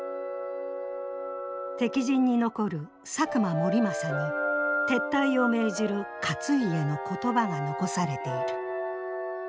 敵陣に残る佐久間盛政に撤退を命じる勝家の言葉が残されている。